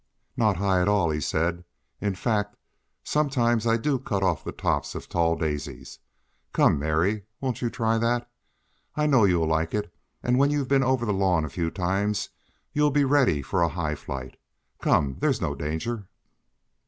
"Not high at all," he said. "In fact, sometimes I do cut off the tops of tall daisies. Come, Mary! Won't you try that? I know you'll like it, and when you've been over the lawn a few times you'll be ready for a high flight. Come! there's no danger."